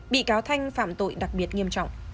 bị cáo thanh phạm tội đặc biệt nghiêm trọng